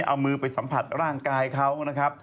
เอามือไปสัมผัสร่างกายเขานะครับ